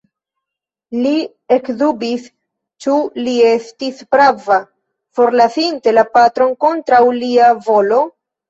Li ekdubis, ĉu li estis prava, forlasinte la patron kontraŭ lia volo?